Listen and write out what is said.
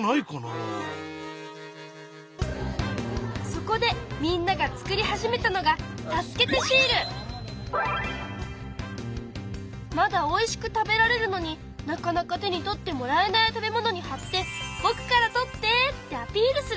そこでみんなが作り始めたのがまだおいしく食べられるのになかなか手に取ってもらえない食べ物にはって「ぼくから取って」ってアピールするの。